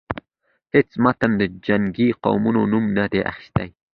هیڅ متن د جنګی قومونو نوم نه دی اخیستی.